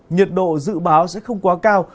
nhiệt độ dự báo sẽ không quá cao